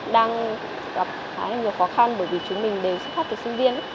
đang gặp khá là nhiều khó khăn bởi vì chúng mình đều xuất phát từ sinh viên